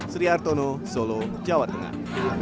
sri hartono solo jawa tengah